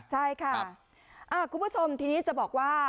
ใช่ค่ะคุณผู้ชมทีนี้จะบอกว่า